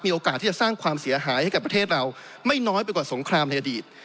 โอกาสที่จะสร้างความเสียหายให้กับประเทศเราไม่น้อยไปกว่าสงครามในอดีต